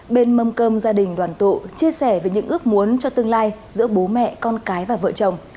bên mâm cơm gia đình đoàn tụ chia sẻ về những ước muốn cho tương lai giữa bố mẹ con cái và vợ chồng